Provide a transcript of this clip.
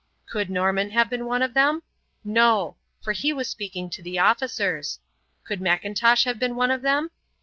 Could Norman have been one of them? No, for he was speaking to the officers. Could M'Intosh have been one of them?